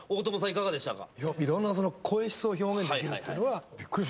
いかがでしたか？